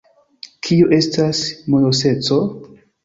Kio estas mojoseco?